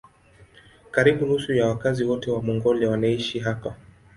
Karibu nusu ya wakazi wote wa Mongolia wanaishi hapa.